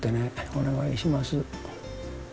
お願いします。